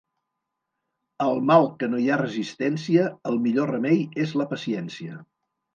Al mal que no hi ha resistència, el millor remei és la paciència.